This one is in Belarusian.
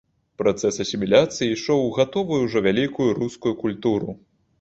Працэс асіміляцыі ішоў у гатовую ўжо вялікую рускую культуру.